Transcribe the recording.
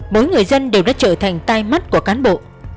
mỗi người dân đều đã trở thành tai mắt của cán bộ